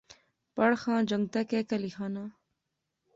پڑھ خاں، جنگتے کیاکہیہ لیخاناں